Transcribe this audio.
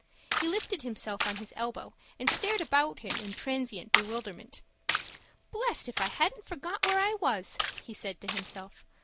He lifted himself on his elbow, and stared around him in transient bewilderment. "Blest if I hadn't forgot where I was," he said to himself.